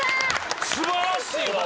素晴らしいわ俺。